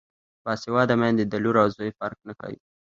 باسواده میندې د لور او زوی فرق نه کوي.